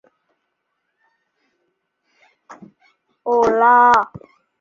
Se forma una azida de acilo como intermediario.